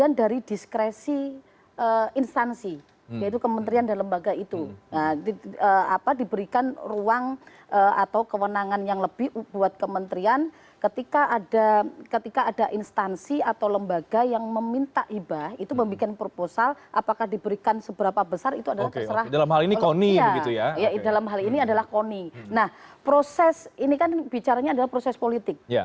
nah proses ini kan bicaranya adalah proses politik